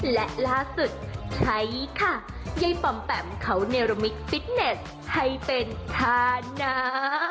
และล่าสุดใช้ค่ะไย่ปำแปำเขาเนโรมิคฟิตเนสให้เป็นทาน้ำ